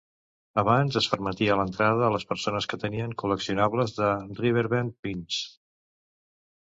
Abans es permetia l'entrada a les persones que tenien col·leccionables de "Riverbend Pins".